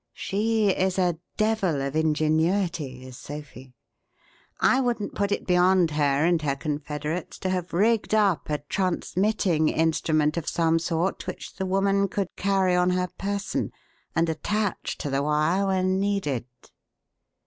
She is a devil of ingenuity is Sophie. I wouldn't put it beyond her and her confederates to have rigged up a transmitting instrument of some sort which the woman could carry on her person and attach to the wire when needed."